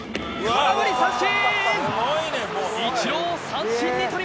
空振り三振！